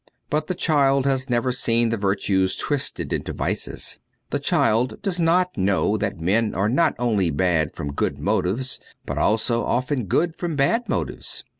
But the child has never seen the virtues twisted into vices ; the child does not know that men are not only bad from good motives, but also often good from bad motives.